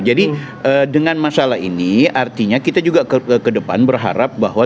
jadi dengan masalah ini artinya kita juga kedepan berharap bahwa